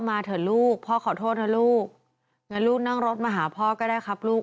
มาเถอะลูกพ่อขอโทษนะลูกงั้นลูกนั่งรถมาหาพ่อก็ได้ครับลูก